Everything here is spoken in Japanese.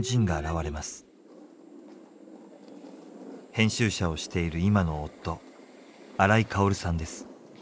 編集者をしている今の夫荒井カオルさんです。